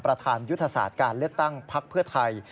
ประธานยุทธศาสตร์การเลือกตั้งพักเพื่อไทย